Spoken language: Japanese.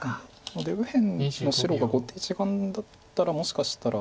なので右辺の白が後手一眼だったらもしかしたら。